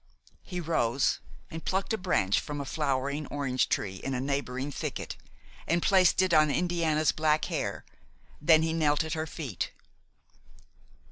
He rose and plucked a branch from a flowering orange tree in a neighboring thicket and placed it on Indiana's black hair; then he knelt at her feet.